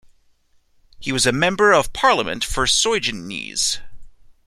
He was a member of parliament for Soignies.